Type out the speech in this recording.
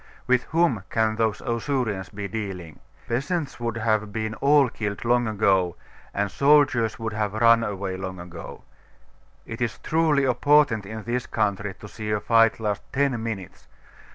With whom can those Ausurians be dealing? Peasants would have been all killed long ago, and soldiers would have run away long ago. It is truly a portent in this country to see a fight last ten minutes.